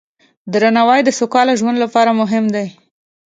درناوی د سوکاله ژوند لپاره مهم دی.